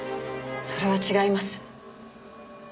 それは違います。